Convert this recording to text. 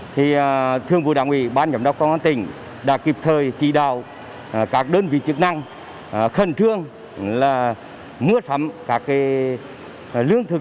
thì thường vụ đảng ủy ban giám đốc công an tỉnh đã kịp thời chỉ đạo các đơn vị chức năng khẩn trương là mua sắm các lương thực